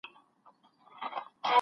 التفات دي د نظر، نظر بازي کوي نیاز بیني